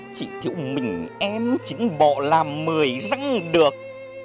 chỉ thiếu mình em chính bộ là mười răng được